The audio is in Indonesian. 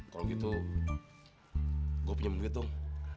kalau gitu gue punya duit dong